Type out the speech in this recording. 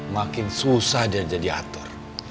makin susah dia jadi atur